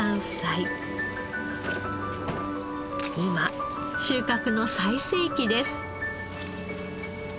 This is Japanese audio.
今収穫の最盛期です。